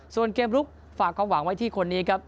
ส่วนเกมลุกฝากความหวังไว้ที่คนนี้ครับ